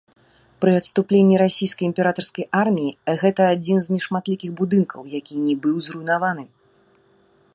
Пры адступленні расійскай імператарскай арміі гэта адзін з нешматлікіх будынкаў, які не быў зруйнаваны.